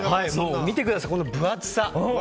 見てください、この分厚さ。